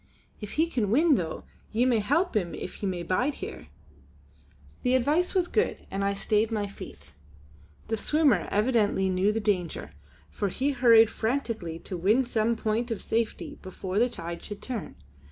If he can win through, ye may help him if ye bide here." The advice was good and I stayed my feet. The swimmer evidently knew the danger, for he hurried frantically to win some point of safety before the tide should turn.